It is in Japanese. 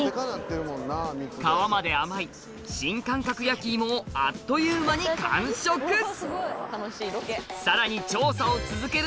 皮まで甘い新感覚焼き芋をあっという間にさらにあっ！